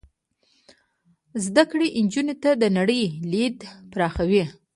زده کړه نجونو ته د نړۍ لید پراخوي.